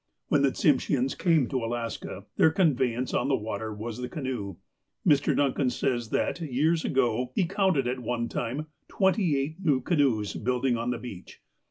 When the Tsimsheans came to Alaska, their convey ance on the water was the canoe. Mr, Duncan says that, years ago, he counted, at one time, twenty eight new canoes building on the beach.